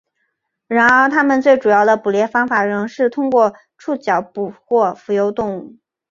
然而它们最主要的捕猎方法仍然是通过触角捕获浮游动物。